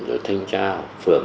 rồi thanh tra phường